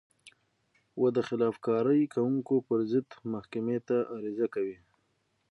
و د خلاف کارۍ کوونکو پر ضد محکمې ته عریضه کوي.